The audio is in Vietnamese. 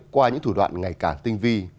qua những thủ đoạn ngày càng tinh vi